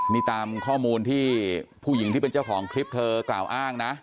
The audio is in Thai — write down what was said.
นี่ตามข้อมูลที่ผู้หญิงที่เป็นเจ้าของคลิปเธอกล่าวอ้างนะ